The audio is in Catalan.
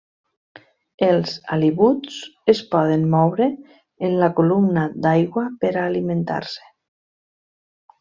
Els halibuts es poden moure en la columna d'aigua per a alimentar-se.